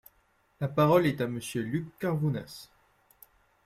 La parole est à Monsieur Luc Carvounas.